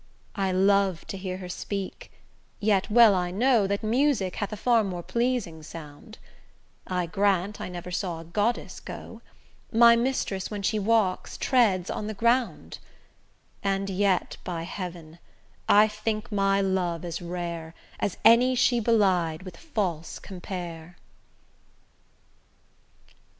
I love to hear her speak, yet well I know That music hath a far more pleasing sound: I grant I never saw a goddess go; My mistress, when she walks, treads on the ground: And yet by heaven, I think my love as rare, As any she belied with false compare.